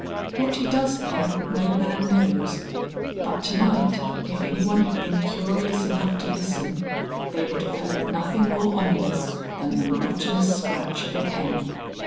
What he does there no man knows, but to night if any one had been curious enough to listen, they would have heard nothing more ominous than the monotonous scratch of a pen.